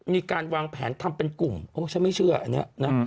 มีการวางแผนทำเป็นกลุ่มโอ้ฉันไม่เชื่ออันนี้นะ